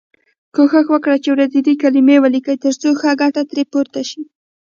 کوښښ وکړی چې ورځنۍ کلمې ولیکی تر څو ښه ګټه ترې پورته شی.